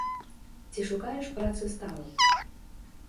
Ці шукаеш працы сталай?